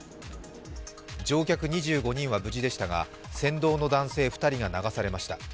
乗客２５人は無事でしたが船頭の男性２人が流されました。